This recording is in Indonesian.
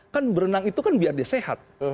kan berenang itu kan biar dia sehat